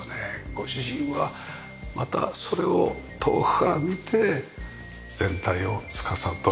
ご主人はまたそれを遠くから見て全体をつかさどるといいますかね。